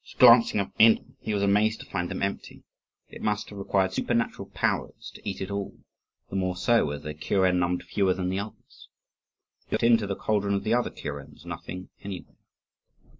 Glancing into them, he was amazed to find them empty. It must have required supernatural powers to eat it all; the more so, as their kuren numbered fewer than the others. He looked into the cauldron of the other kurens nothing anywhere.